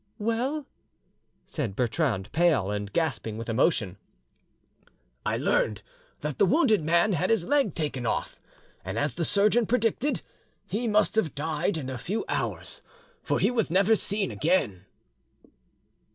"Well?" said Bertrande, pale, and gasping with emotion. "I learned that the wounded man had his leg taken off, and, as the surgeon predicted, he must have died in a few hours, for he was never seen again."